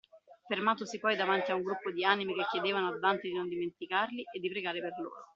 Fermatosi poi davanti ad un gruppo di anime che chiedevano a Dante di non dimenticarli e di pregare per loro.